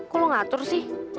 kok lu ngatur sih